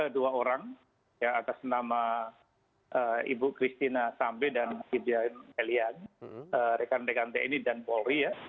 dua orang ya atas nama ibu kristina sambe dan ibu ibu elian rekan rekan tni dan polri ya